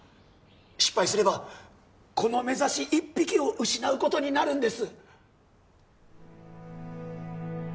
失敗すればこのメザシ一匹を失うことになるんです